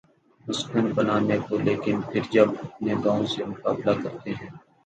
مسکن بنانے کو لیکن پھر جب اپنے گاؤں سے مقابلہ کرتے ہیں۔